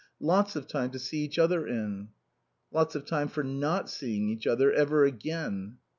Lots of time to see each other in." "Lots of time for not seeing each other ever again."